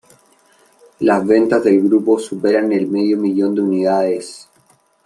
Las ventas del grupo superan el medio millón de unidades.